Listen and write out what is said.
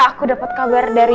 aku dapet kabar dari